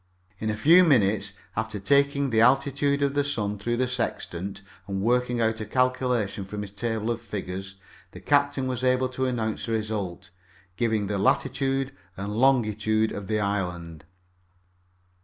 In a few minutes, after taking the altitude of the sun through the sextant and working out a calculation from his table of figures, the captain was able to announce the result, giving the latitude and longitude of the island.